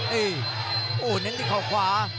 ตีโอ้นิดนึงเข้าขวา